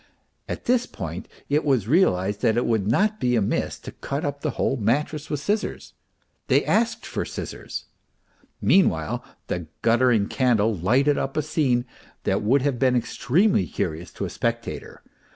At this point it was realized that it would not be amiss to cut up the whole mattress with scissors. They asked for scissors. MR. PROHARTCHIN 285 Meanwhile, the guttering candle lighted up a scene that would have been extremely curious to a spectator.